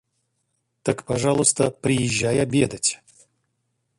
Так, пожалуйста, приезжай обедать.